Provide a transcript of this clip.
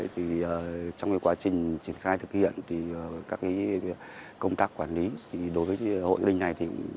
trong quá trình triển khai thực hiện các công tác quản lý đối với hội gia đình này